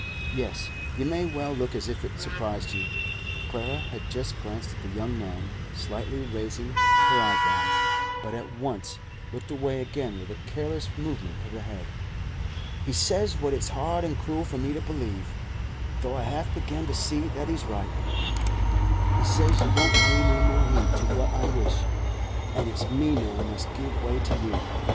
Yes, you may well look as if it surprised you.' Clara had just glanced at the young man, slightly raising her eyebrows, but at once looked away again with a careless movement of the head. 'He says what it's hard an' cruel for me to believe, though I half begin to see that he's right; he says you won't pay no more heed to what I wish, an' it's me now must give way to you.